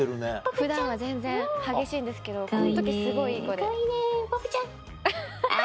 普段は全然激しいんですけどこの時すごいいい子で。